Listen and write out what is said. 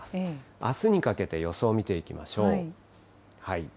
あすにかけて予想を見ていきましょう。